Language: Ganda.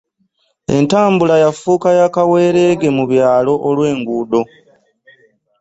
entambula yafuuka yakawerege mu byalo olwengudo embi